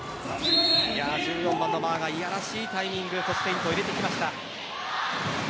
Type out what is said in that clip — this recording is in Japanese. １４番のマーがいやらしいタイミングでフェイントを入れてきました。